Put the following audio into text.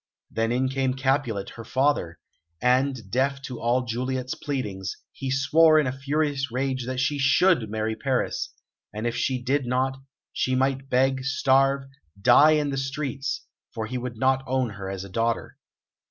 Then in came Capulet, her father, and, deaf to all Juliet's pleadings, he swore in a furious rage that she should marry Paris; and if she did not, she might beg, starve, die in the streets, for he would not own her as a daughter.